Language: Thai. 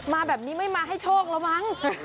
มาแบบนี้ไม่มาให้โชคแล้วมั้ง